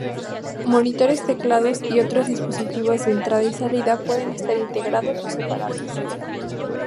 Monitores, teclados y otros dispositivos de entrada y salida pueden estar integrados o separados.